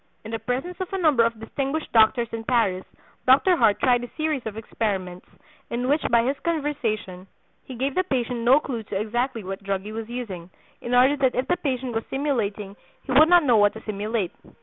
In the presence of a number of distinguished doctors in Paris, Dr. Hart tried a series of experiments in which by his conversation he gave the patient no clue to exactly what drug he was using, in order that if the patient was simulating he would not know what to simulate.